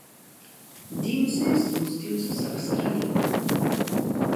Dim se je spustil z vseh strani.